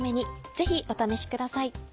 ぜひお試しください。